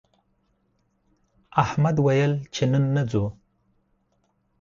احمد ویل چې نن نه ځو